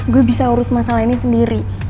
gue bisa urus masalah ini sendiri